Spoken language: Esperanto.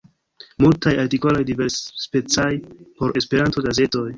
Multaj artikoloj diversspecaj por Esperanto-gazetoj.